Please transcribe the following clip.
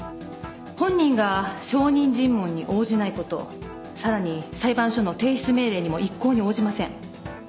本人が証人尋問に応じないことさらに裁判所の提出命令にも一向に応じません。